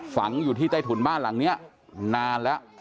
ฝังอยู่ที่ใต้ถุนบ้านหลังนี้นานแล้ว